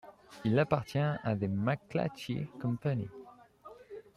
Il appartient à The McClatchy Company.